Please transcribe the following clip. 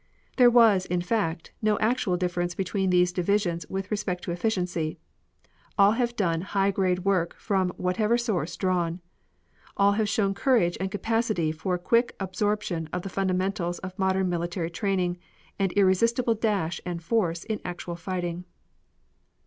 There was, in fact, no actual difference between these divisions with respect to efficiency all have done high grade work from whatever source drawn. All have shown courage and capacity for quick absorption of the fundamentals of modern military training and irresistible dash and force in actual fighting.